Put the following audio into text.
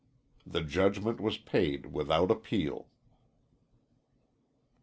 The judgment was paid without appeal.